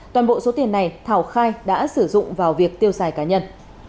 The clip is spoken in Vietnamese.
toàn bộ số tiền này thảo khai đã sử dụng vào việc tiêu xài cá nhân